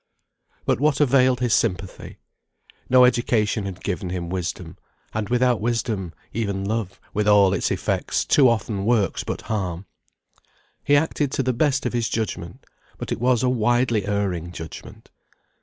But what availed his sympathy? No education had given him wisdom; and without wisdom, even love, with all its effects, too often works but harm. He acted to the best of his judgment, but it was a widely erring judgment.